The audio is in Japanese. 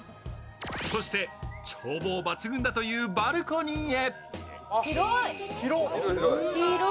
そして眺望抜群だというバルコニーへ。